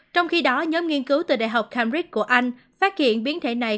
trong khi đó nhóm nghiên cứu từ đại học camrik của anh phát hiện biến thể này